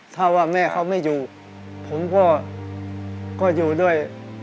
ถ้าว่าแม่เขาไม่อยู่ผมก็อยู่ด้วย